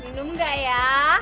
minum enggak ya